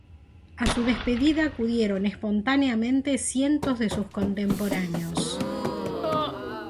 A su despedida acudieron espontáneamente cientos de sus contemporáneos.